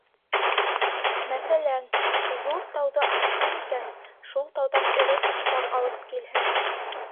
Мәҫәлән, ҙур тауҙы асҡан икән, шул тауҙан эре таштар алып килһен.